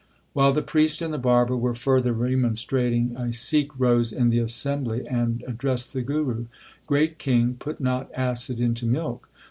2 While the priest and the barber were further remonstrating, a Sikh rose in the assembly and addressed the Guru : Great king, put not acid into milk.